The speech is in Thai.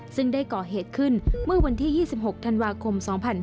ซึ่งได้ก่อเหตุขึ้นเมื่อวันที่๒๖ธันวาคม๒๕๕๙